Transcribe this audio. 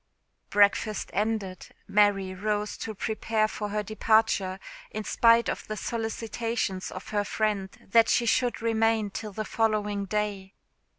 Breakfast ended, Mary rose to prepare for her departure, in spite of the solicitations of her friend that she should remain till the following day.